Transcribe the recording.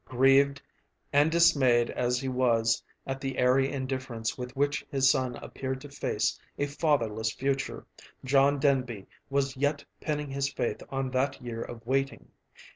Grieved and dismayed as he was at the airy indifference with which his son appeared to face a fatherless future, John Denby was yet pinning his faith on that year of waiting.